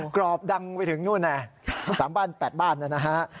กรอบดังไปถึงนู่นแหละสามบ้านแปดบ้านนะฮะ